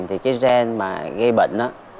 bệnh di truyền thì cái gen mà gây bệnh